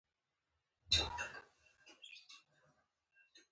زه افغان يم